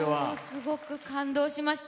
すごく感動しました。